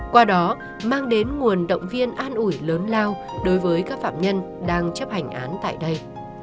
qua đó mang đến nguồn động viên an ủi lớn lao đối với các phạm nhân đang chấp hành án tại đây